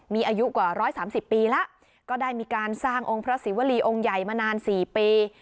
มีอายุกว่า๑๓๐ปีแล้วก็ได้มีการสร้างองค์พระศิวรีองค์ใหญ่มานาน๔ปี